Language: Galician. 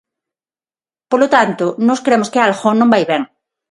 Polo tanto, nós cremos que algo non vai ben.